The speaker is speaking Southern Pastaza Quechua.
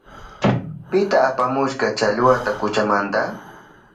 ¿Pita apamushka challwata kuchamanta?